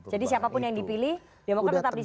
jadi siapapun yang dipilih demokran tetap disitu